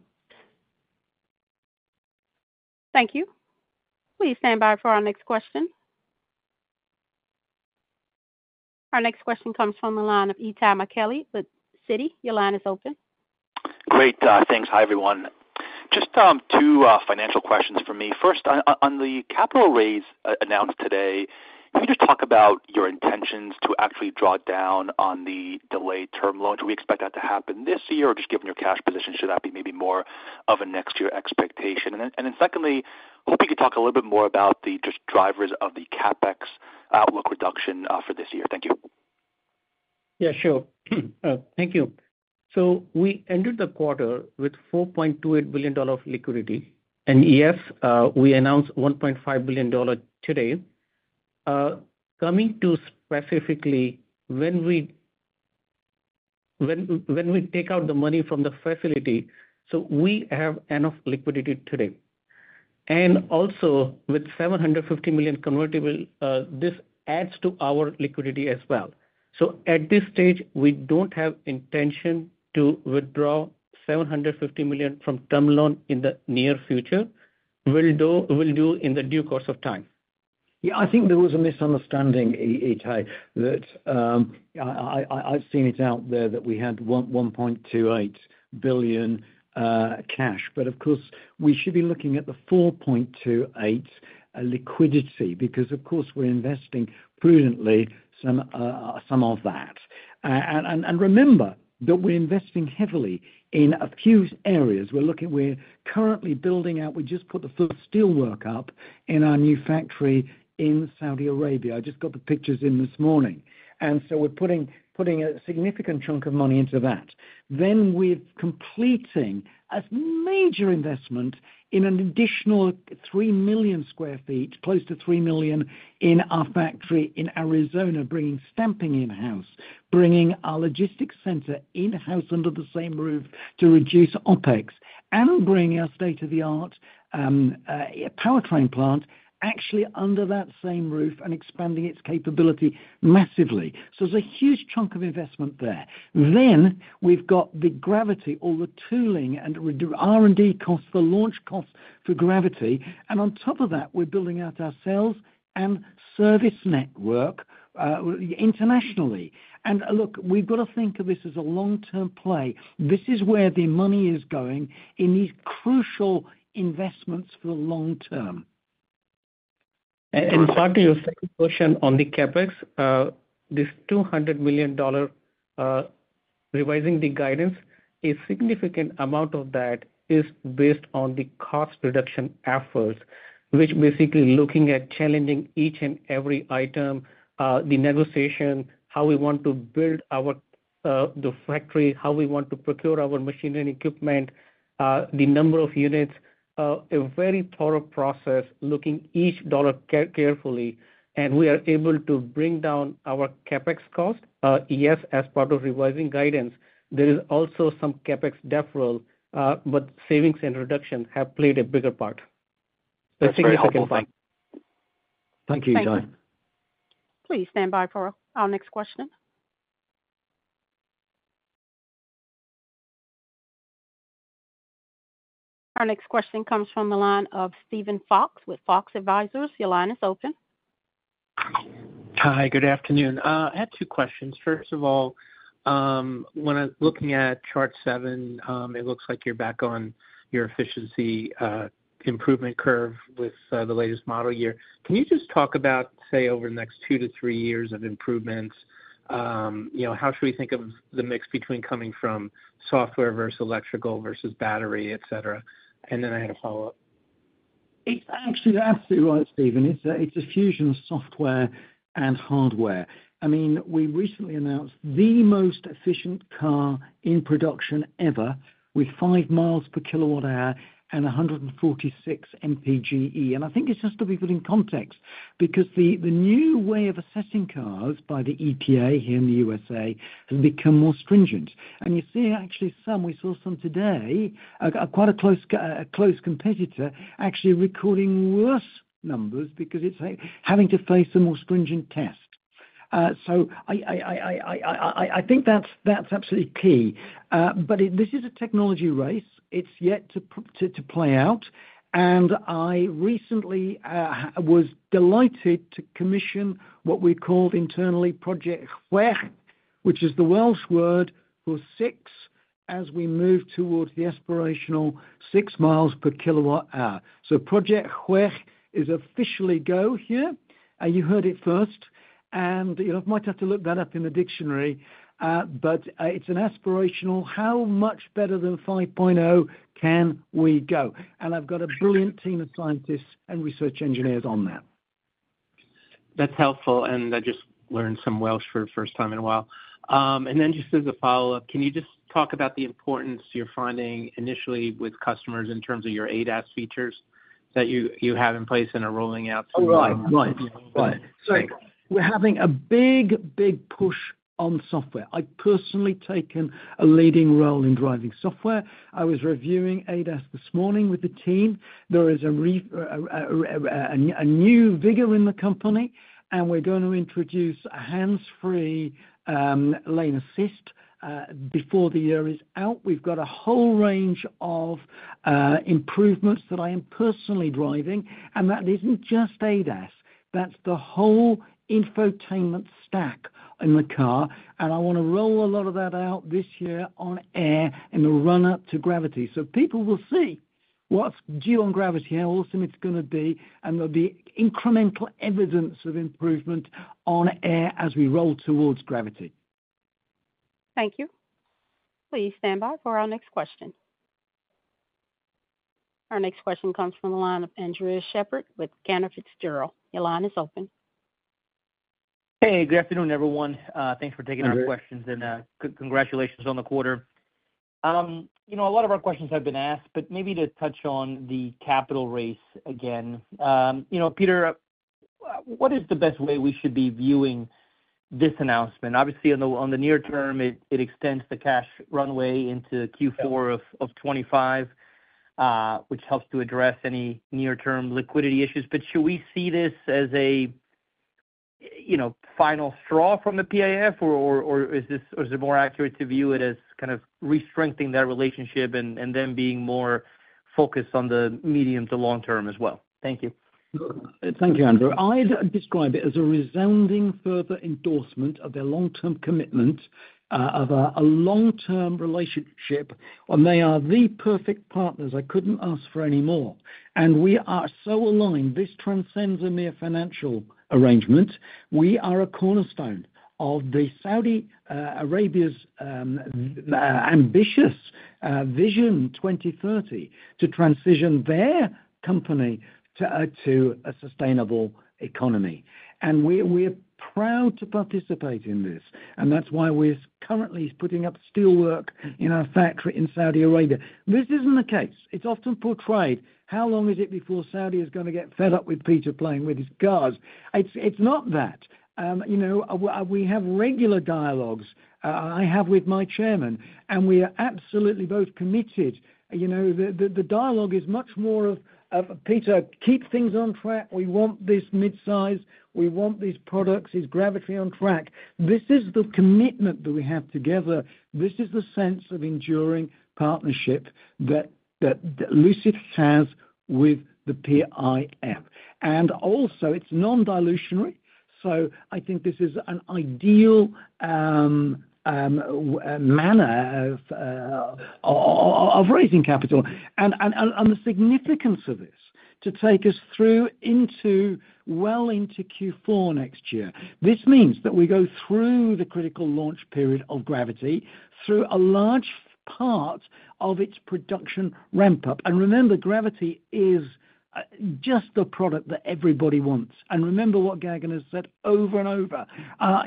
S1: Thank you. Please stand by for our next question. Our next question comes from the line of Itay Michaeli with Citi. Your line is open.
S7: Great. Thanks. Hi, everyone. Just two financial questions for me. First, on the capital raise announced today, can you just talk about your intentions to actually draw down on the delayed term loans? Do we expect that to happen this year or just given your cash position, should that be maybe more of a next-year expectation? And then secondly, hope you could talk a little bit more about the drivers of the CapEx outlook reduction for this year. Thank you.
S4: Yeah, sure. Thank you. So we ended the quarter with $4.28 billion of liquidity. And yes, we announced $1.5 billion today. Coming to specifically when we take out the money from the facility, so we have enough liquidity today. Also, with $750 million convertible, this adds to our liquidity as well. So at this stage, we don't have intention to withdraw $750 million from term loan in the near future. We'll do in the due course of time.
S3: Yeah. I think there was a misunderstanding, Itay, that I've seen it out there that we had $1.28 billion cash. But of course, we should be looking at the $4.28 billion liquidity because, of course, we're investing prudently some of that. And remember that we're investing heavily in a few areas. We're currently building out. We just put the first steelwork up in our new factory in Saudi Arabia. I just got the pictures in this morning. And so we're putting a significant chunk of money into that. Then we're completing a major investment in an additional 3 million sq ft, close to 3 million, in our factory in Arizona, bringing stamping in-house, bringing our logistics center in-house under the same roof to reduce OpEx, and bringing our state-of-the-art powertrain plant actually under that same roof and expanding its capability massively. So there's a huge chunk of investment there. Then we've got the Gravity, all the tooling and R&D costs, the launch costs for Gravity. And on top of that, we're building out our sales and service network internationally. And look, we've got to think of this as a long-term play. This is where the money is going in these crucial investments for the long term.
S4: Talking to your second question on the CapEx, this $200 million revising the guidance, a significant amount of that is based on the cost reduction efforts, which basically looking at challenging each and every item, the negotiation, how we want to build the factory, how we want to procure our machinery and equipment, the number of units, a very thorough process, looking each dollar carefully. And we are able to bring down our CapEx cost. Yes, as part of revising guidance, there is also some CapEx deferral, but savings and reduction have played a bigger part. A significant part.
S3: Thank you, Itay.
S1: Please stand by for our next question. Our next question comes from the line of Steven Fox with Fox Advisors. Your line is open.
S8: Hi. Good afternoon. I have two questions. First of all, when I'm looking at chart seven, it looks like you're back on your efficiency improvement curve with the latest model year. Can you just talk about, say, over the next two to three years of improvements? How should we think of the mix between coming from software versus electrical versus battery, etc.? And then I had a follow-up.
S3: It's absolutely right, Stephen. It's a fusion of software and hardware. I mean, we recently announced the most efficient car in production ever with 5 miles per kilowatt-hour and 146 MPGe. And I think it's just to be put in context because the new way of assessing cars by the EPA here in the U.S.A. has become more stringent. And you see actually some, we saw some today, quite a close competitor actually recording worse numbers because it's having to face a more stringent test. So I think that's absolutely key. But this is a technology race. It's yet to play out. And I recently was delighted to commission what we called internally Project Chwech, which is the Welsh word for six as we move towards the aspirational six miles per kilowatt-hour. So Project Chwech is officially go here. You heard it first. And you might have to look that up in the dictionary. But it's an aspirational, how much better than 5.0 can we go? And I've got a brilliant team of scientists and research engineers on that.
S8: That's helpful. And I just learned some Welsh for the first time in a while. And then just as a follow-up, can you just talk about the importance you're finding initially with customers in terms of your ADAS features that you have in place and are rolling out?
S3: Right. Right. So we're having a big, big push on software. I've personally taken a leading role in driving software. I was reviewing ADAS this morning with the team. There is a new vigor in the company. We're going to introduce hands-free lane assist before the year is out. We've got a whole range of improvements that I am personally driving. That isn't just ADAS. That's the whole infotainment stack in the car. I want to roll a lot of that out this year on Air in the run-up to Gravity. So people will see what's due on Gravity how awesome it's going to be. There'll be incremental evidence of improvement on Air as we roll towards Gravity.
S1: Thank you. Please stand by for our next question. Our next question comes from the line of Andres Sheppard with Cantor Fitzgerald. Your line is open.
S9: Hey, good afternoon, everyone. Thanks for taking our questions. Congratulations on the quarter. A lot of our questions have been asked, but maybe to touch on the capital raise again. Peter, what is the best way we should be viewing this announcement? Obviously, on the near term, it extends the cash runway into Q4 of 2025, which helps to address any near-term liquidity issues. But should we see this as a final straw from the PIF, or is it more accurate to view it as kind of restrengthening that relationship and then being more focused on the medium to long term as well? Thank you.
S3: Thank you, Andres. I'd describe it as a resounding further endorsement of their long-term commitment, of a long-term relationship. And they are the perfect partners. I couldn't ask for any more. And we are so aligned. This transcends a mere financial arrangement. We are a cornerstone of Saudi Arabia's ambitious Vision 2030 to transition their economy to a sustainable economy. We're proud to participate in this. That's why we're currently putting up steelwork in our factory in Saudi Arabia. This isn't the case. It's often portrayed, "How long is it before Saudi is going to get fed up with Peter playing with his guards?" It's not that. We have regular dialogues I have with my chairman. We are absolutely both committed. The dialogue is much more of, "Peter, keep things on track. We want this mid-size. We want these products. Is Gravity on track?" This is the commitment that we have together. This is the sense of enduring partnership that Lucid has with the PIF. Also, it's non-dilutionary. I think this is an ideal manner of raising capital. The significance of this to take us through well into Q4 next year. This means that we go through the critical launch period of Gravity through a large part of its production ramp-up. And remember, Gravity is just the product that everybody wants. And remember what Gagan has said over and over,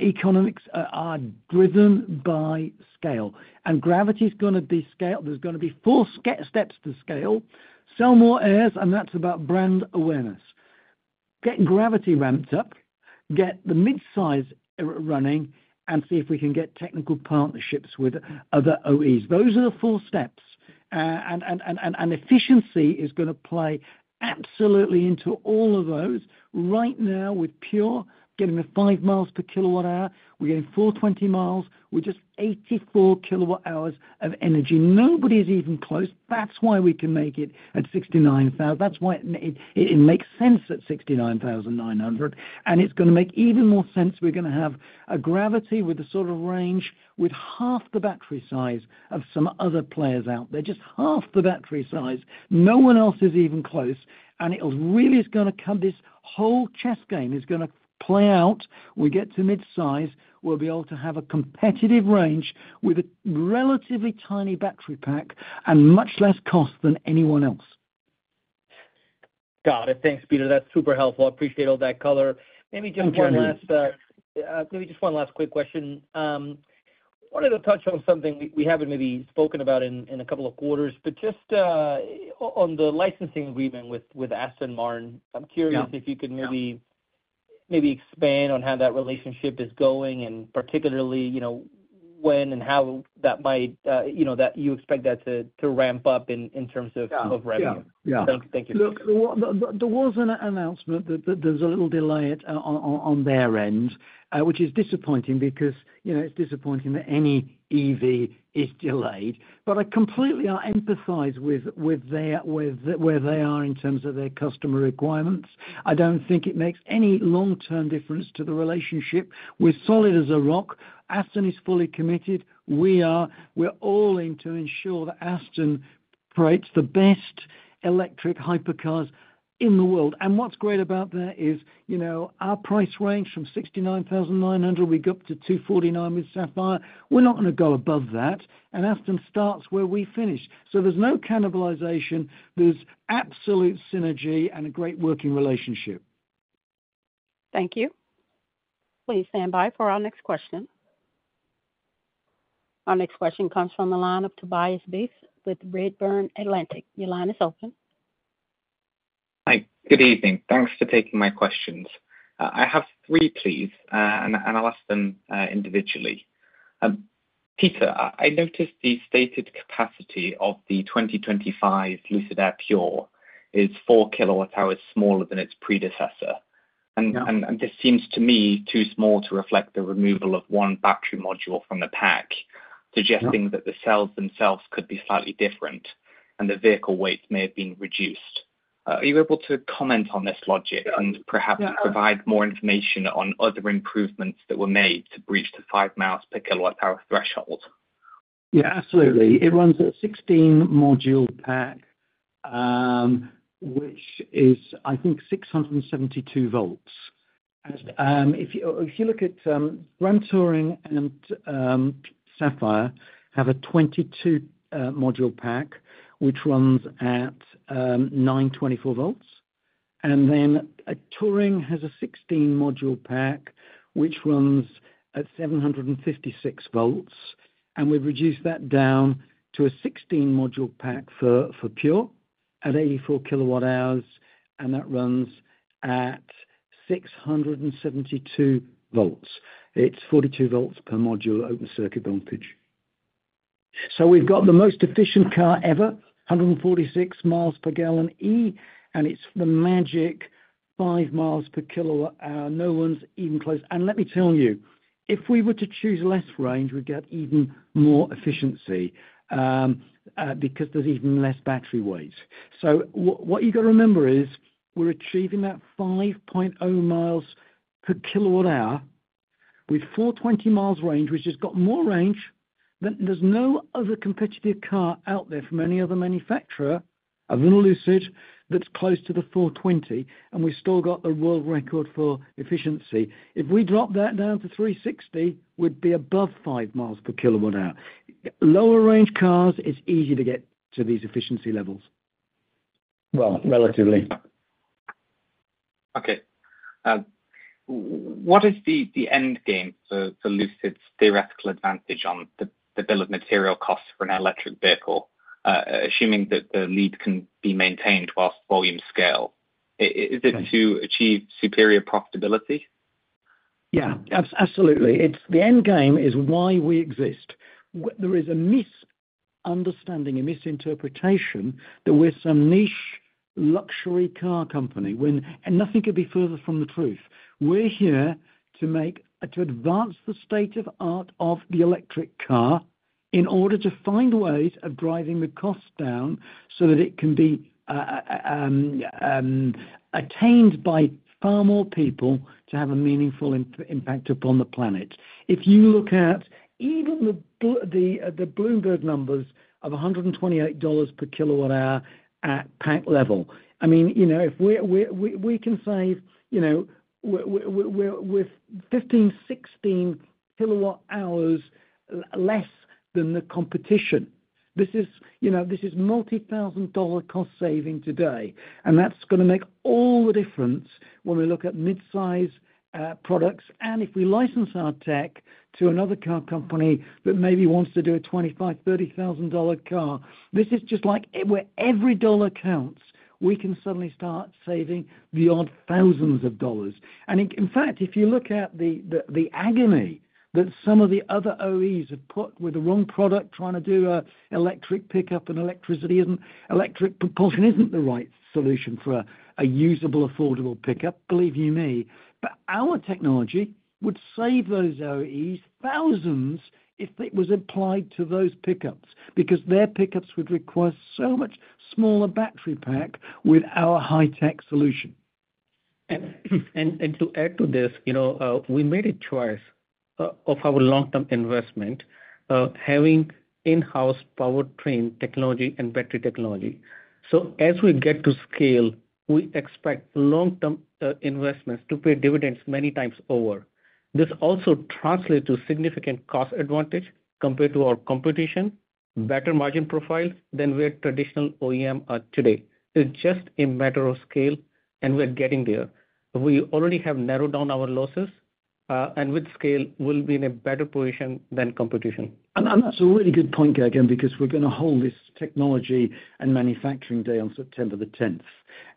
S3: "Economics are driven by scale." And Gravity's going to be scale. There's going to be four steps to scale. Sell more Airs. And that's about brand awareness. Get Gravity ramped up. Get the mid-size running and see if we can get technical partnerships with other OEs. Those are the four steps. And efficiency is going to play absolutely into all of those. Right now, with Pure, getting to 5 miles per kilowatt-hour, we're getting 420 miles. We're just 84 kWh of energy. Nobody's even close. That's why we can make it at $69,000. That's why it makes sense at $69,900. And it's going to make even more sense. We're going to have a Gravity with a sort of range with half the battery size of some other players out there. Just half the battery size. No one else is even close. And it really is going to come this whole chess game is going to play out. We get to mid-size. We'll be able to have a competitive range with a relatively tiny battery pack and much less cost than anyone else.
S9: Got it. Thanks, Peter. That's super helpful. I appreciate all that color. Maybe just one last maybe just one last quick question. I wanted to touch on something we haven't maybe spoken about in a couple of quarters, but just on the licensing agreement with Aston Martin. I'm curious if you could maybe expand on how that relationship is going and particularly when and how that you expect that to ramp up in terms of revenue. Thank you.
S3: There was an announcement that there's a little delay on their end, which is disappointing because it's disappointing that any EV is delayed. But I completely empathize with where they are in terms of their customer requirements. I don't think it makes any long-term difference to the relationship. We're solid as a rock. Aston is fully committed. We're all in to ensure that Aston creates the best electric hypercars in the world. And what's great about that is our price range from $69,900; we go up to $249,000 with Sapphire. We're not going to go above that. And Aston starts where we finish. So there's no cannibalization. There's absolute synergy and a great working relationship.
S1: Thank you. Please stand by for our next question. Our next question comes from the line of Tobias Beith with Redburn Atlantic. Your line is open.
S10: Hi. Good evening. Thanks for taking my questions. I have three, please. And I'll ask them individually. Peter, I noticed the stated capacity of the 2025 Lucid Air Pure is 4 kWh smaller than its predecessor. And this seems to me too small to reflect the removal of one battery module from the pack, suggesting that the cells themselves could be slightly different and the vehicle weight may have been reduced. Are you able to comment on this logic and perhaps provide more information on other improvements that were made to breach the 5 miles per kWh threshold?
S3: Yeah, absolutely. It runs a 16-module pack, which is, I think, 672 volts. If you look at Grand Touring and Sapphire, they have a 22-module pack, which runs at 924 volts. And then Touring has a 16-module pack, which runs at 756 volts. And we've reduced that down to a 16-module pack for Pure at 84 kWh. And that runs at 672 volts. It's 42 volts per module open-circuit voltage. So we've got the most efficient car ever, 146 MPGe, and it's the magic 5 miles per kWh. No one's even close. And let me tell you, if we were to choose less range, we'd get even more efficiency because there's even less battery weight. So what you've got to remember is we're achieving that 5.0 miles per kWh with 420 miles range, which has got more range than there's no other competitive car out there from any other manufacturer other than Lucid that's close to the 420. We've still got the world record for efficiency. If we drop that down to 360, we'd be above 5 miles per kilowatt-hour. Lower-range cars is easy to get to these efficiency levels. Well, relatively.
S10: Okay. What is the end game for Lucid's theoretical advantage on the bill of materials costs for an electric vehicle, assuming that the lead can be maintained whilst volume scale? Is it to achieve superior profitability?
S3: Yeah, absolutely. The end game is why we exist. There is a misunderstanding, a misinterpretation that we're some niche luxury car company when nothing could be further from the truth. We're here to advance the state of the art of the electric car in order to find ways of driving the cost down so that it can be attained by far more people to have a meaningful impact upon the planet. If you look at even the Bloomberg numbers of $128 per kWh at pack level, I mean, we can save with 15-16 kWh less than the competition. This is multi-thousand-dollar cost saving today. And that's going to make all the difference when we look at mid-size products. And if we license our tech to another car company that maybe wants to do a $25,000-$30,000 car, this is just like where every dollar counts. We can suddenly start saving the odd thousands of dollars. And in fact, if you look at the agony that some of the other OEs have put with the wrong product trying to do an electric pickup and electric propulsion isn't the right solution for a usable, affordable pickup, believe you me. But our technology would save those OEs thousands if it was applied to those pickups because their pickups would require so much smaller battery pack with our high-tech solution.
S4: And to add to this, we made a choice of our long-term investment having in-house powertrain technology and battery technology. So as we get to scale, we expect long-term investments to pay dividends many times over. This also translates to significant cost advantage compared to our competition, better margin profile than where traditional OEM are today. It's just a matter of scale, and we're getting there. We already have narrowed down our losses. And with scale, we'll be in a better position than competition.
S3: And that's a really good point, Gagan, because we're going to hold this Technology and Manufacturing Day on September the 10th.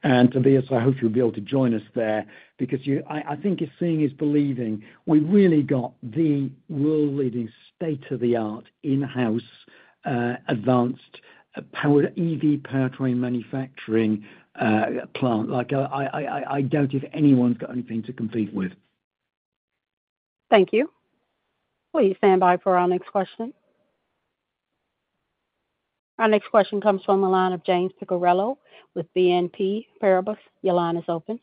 S3: And Tobias, I hope you'll be able to join us there because I think seeing is believing. We've really got the world-leading state-of-the-art in-house advanced powered EV powertrain manufacturing plant. I doubt if anyone's got anything to compete with.
S1: Thank you. Please stand by for our next question. Our next question comes from the line of James Picariello with BNP Paribas. Your line is open.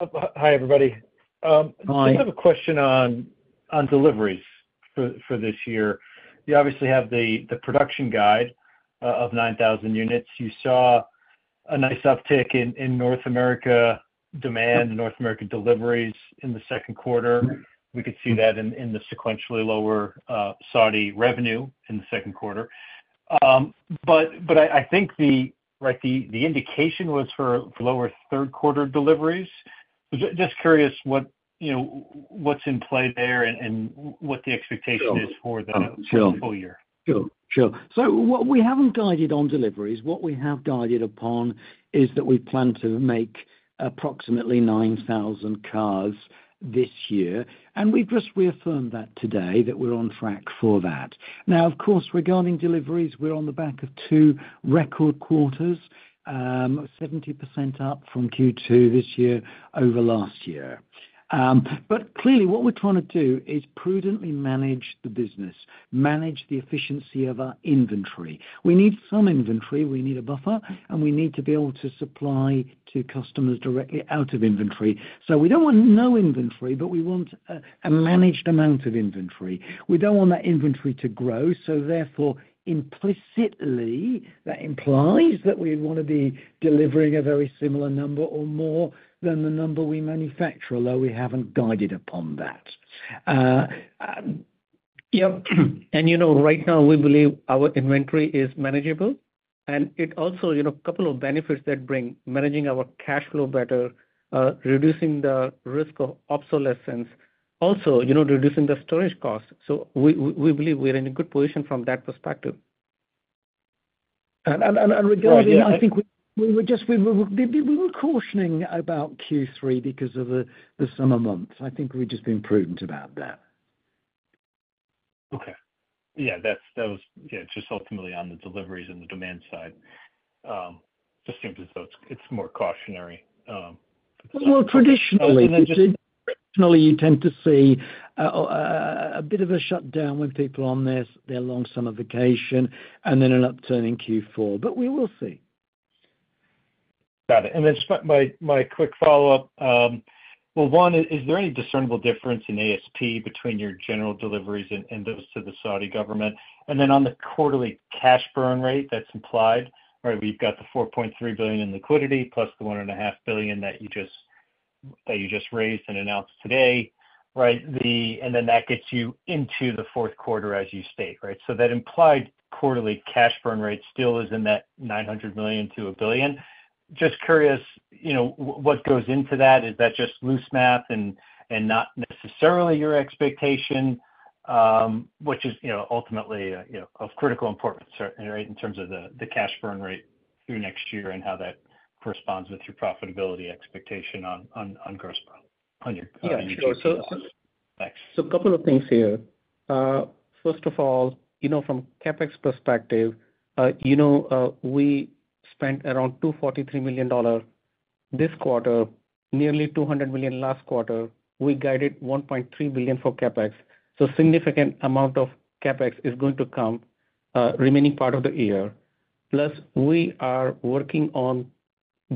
S11: Hi, everybody. I just have a question on deliveries for this year. You obviously have the production guide of 9,000 units. You saw a nice uptick in North America demand, North American deliveries in the second quarter. We could see that in the sequentially lower Saudi revenue in the second quarter. But I think the indication was for lower third-quarter deliveries. Just curious what's in play there and what the expectation is for the full year.
S3: Sure. So what we haven't guided on deliveries, what we have guided upon is that we plan to make approximately 9,000 cars this year. And we've just reaffirmed that today that we're on track for that. Now, of course, regarding deliveries, we're on the back of two record quarters, 70% up from Q2 this year over last year. But clearly, what we're trying to do is prudently manage the business, manage the efficiency of our inventory. We need some inventory. We need a buffer. And we need to be able to supply to customers directly out of inventory. So we don't want no inventory, but we want a managed amount of inventory. We don't want that inventory to grow. So therefore, implicitly, that implies that we want to be delivering a very similar number or more than the number we manufacture, although we haven't guided upon that.
S4: Right now, we believe our inventory is manageable. It also has a couple of benefits that bring managing our cash flow better, reducing the risk of obsolescence, also reducing the storage cost. So we believe we're in a good position from that perspective.
S3: Regarding, I think we were just cautioning about Q3 because of the summer months. I think we've just been prudent about that.
S11: Okay. Yeah. That was just ultimately on the deliveries and the demand side. Just seems as though it's more cautionary.
S3: Well, traditionally, you tend to see a bit of a shutdown when people are on their long summer vacation and then an upturn in Q4. But we will see.
S11: Got it. Then my quick follow-up. Well, one, is there any discernible difference in ASP between your general deliveries and those to the Saudi government? And then on the quarterly cash burn rate that's implied, right, we've got the $4.3 billion in liquidity plus the $1.5 billion that you just raised and announced today, right? And then that gets you into the fourth quarter as you state, right? So that implied quarterly cash burn rate still is in that $900 million-$1 billion. Just curious, what goes into that? Is that just loose math and not necessarily your expectation, which is ultimately of critical importance, right, in terms of the cash burn rate through next year and how that corresponds with your profitability expectation on gross burn?
S4: Yeah. Sure. So a couple of things here. First of all, from CapEx perspective, we spent around $243 million this quarter, nearly $200 million last quarter. We guided $1.3 billion for CapEx. So a significant amount of CapEx is going to come remaining part of the year. Plus, we are working on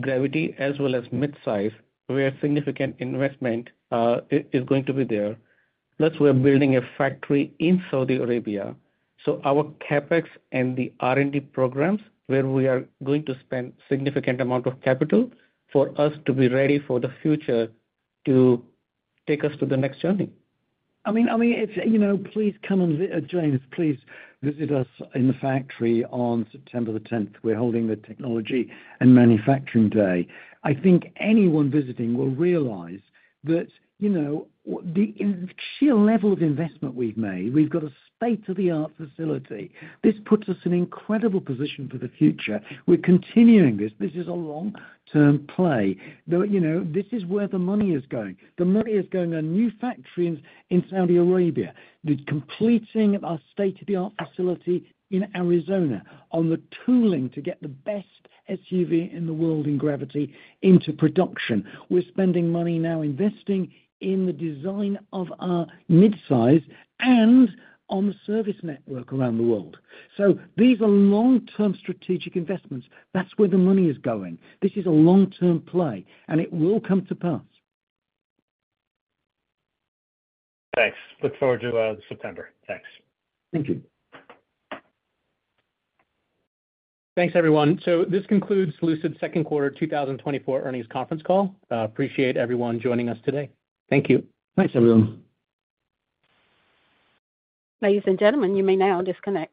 S4: gravity as well as mid-size, where significant investment is going to be there. Plus, we're building a factory in Saudi Arabia. So our CapEx and the R&D programs where we are going to spend a significant amount of capital for us to be ready for the future to take us to the next journey.
S3: I mean, please come and visit us, James. Please visit us in the factory on September the 10th. We're holding the Technology and Manufacturing Day. I think anyone visiting will realize that the sheer level of investment we've made, we've got a state-of-the-art facility. This puts us in an incredible position for the future. We're continuing this. This is a long-term play. This is where the money is going. The money is going to new factories in Saudi Arabia. Completing our state-of-the-art facility in Arizona on the tooling to get the best SUV in the world, the Gravity, into production. We're spending money now investing in the design of our mid-size and on the service network around the world. So these are long-term strategic investments. That's where the money is going. This is a long-term play, and it will come to pass.
S11: Thanks. Look forward to September. Thanks.
S3: Thank you.
S2: Thanks, everyone. So this concludes Lucid's Second Quarter 2024 Earnings Conference Call. Appreciate everyone joining us today. Thank you.
S3: Thanks, everyone.
S1: Ladies and gentlemen, you may now disconnect.